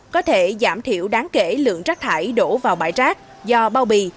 có thể giảm thiểu đáng kể lượng trác thải đổ vào bãi trác do bao bì